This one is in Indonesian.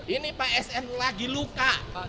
ini pak sn lagi luka